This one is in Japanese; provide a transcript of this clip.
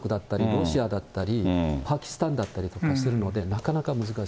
ロシアだったり、パキスタンだったりとかするので、なかなか難しい。